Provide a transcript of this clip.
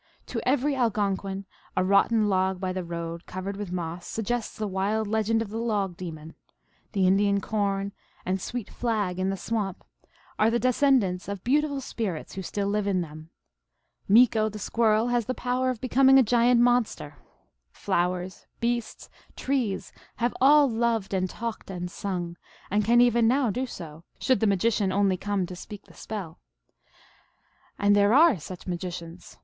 To every Algonquin a rotten log by the road, covered with moss, suggests the wild legend of the log demon ; the Indian corn and sweet flag in the swamp are the descendants of beautiful spirits who still live in them ; Meeko, the squirrel, has the power of becoming a giant monster ; flowers, beasts, trees, have all loved and talked and sung, and can even now do so, should the magician only come to speak the spell. And there are such magicians.